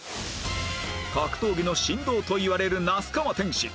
格闘技の神童といわれる那須川天心